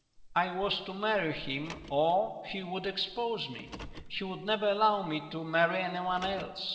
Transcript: I was to marry him or he would expose me. He would never allow me to marry anyone else.